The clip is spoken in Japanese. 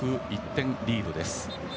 １点リードです。